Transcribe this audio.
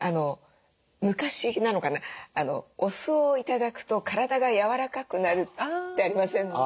昔なのかなお酢を頂くと体がやわらかくなるってありませんでした？